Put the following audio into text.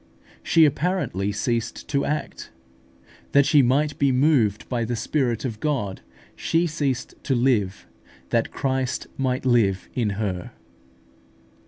She apparently ceased to act, that she might be moved by the Spirit of God; she ceased to live, that Christ might live in her.